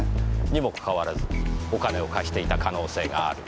にもかかわらずお金を貸していた可能性がある。